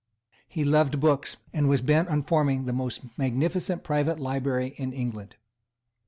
He loved books, and was bent or forming the most magnificent private library in England.